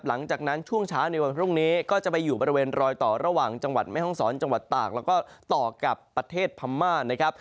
หลังจากนั้นช่วงเช้าในวันพรุ่งนี้ก็จะไปอยู่บริเวณรอยต่อระหว่างจังหวัดแม่ห้องศรจังหวัดตากแล้วก็ต่อกับประเทศพม่านะครับ